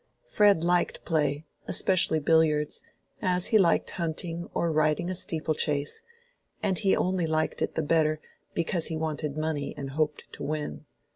Fred liked play, especially billiards, as he liked hunting or riding a steeple chase; and he only liked it the better because he wanted money and hoped to win.